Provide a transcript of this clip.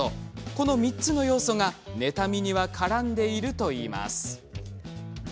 この３つの要素が妬みには絡んでいるといいます。